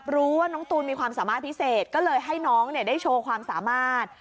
รู้ว่าน้องตูนมีความสามารถพิเศษก็เลยให้น้องได้โชว์ความสามารถ